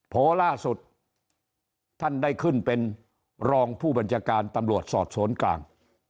ล่าสุดท่านได้ขึ้นเป็นรองผู้บัญชาการตำรวจสอบสวนกลาง